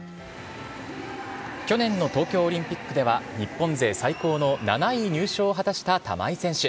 去年の東京オリンピックでは、日本勢最高の７位入賞を果たした玉井選手。